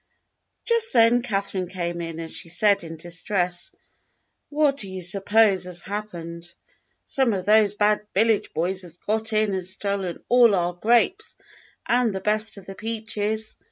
Just then Catherine came in, and she said in dis tress: "What do you suppose has happened? Some of those bad village boys have got in and stolen all our grapes and the best of the peaches!